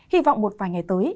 hy vọng một vài ngày tới